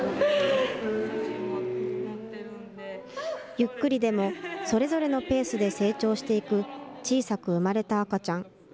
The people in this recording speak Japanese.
ゆっくりでもそれぞれのペースで成長していく、小さく産まれた赤ちゃん。